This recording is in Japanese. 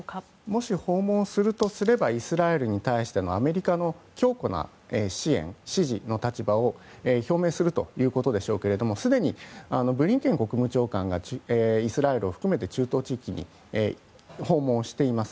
もし訪問するとすればイスラエルに対してのアメリカの強固な支援・支持の立場を表明するということでしょうけどすでにブリンケン国務長官がイスラエルを含めて中東地域を訪問しています。